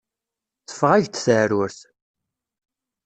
Teffeɣ-ak-d teεrurt.